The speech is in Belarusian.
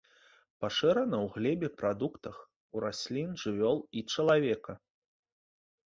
Пашыраны ў глебе, прадуктах, у раслін, жывёл і чалавека.